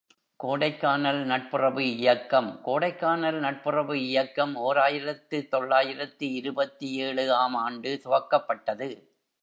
கோடைக்கானல் நட்புறவு இயக்கம் கோடைக்கானல் நட்புறவு இயக்கம் ஓர் ஆயிரத்து தொள்ளாயிரத்து இருபத்தேழு ஆம் ஆண்டு துவக்கப்பட்டது.